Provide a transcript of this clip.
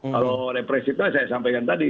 kalau represifnya saya sampaikan tadi